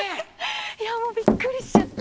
いやもうびっくりしちゃって。